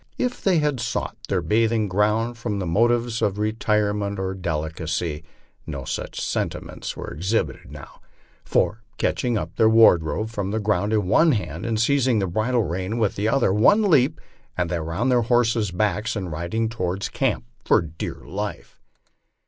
If they had sought their bathing ground from motives of retirement or delicacy, no such sentiments were exhibited now, for, catching up their wardrobe from the ground in one hand and seizing the bridle rein with the other, one leap and they were on their horses' backs and riding toward camp for dear life.